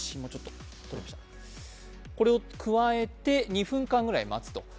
これをくわえて２分間ぐらい待つと。